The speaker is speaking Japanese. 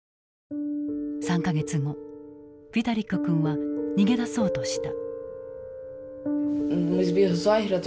３か月後ヴィタリック君は逃げ出そうとした。